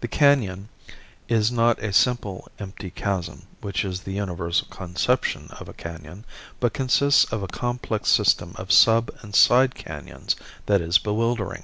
The canon is not a single empty chasm, which is the universal conception of a canon, but consists of a complex system of sub and side canons that is bewildering.